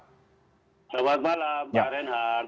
selamat malam pak renhar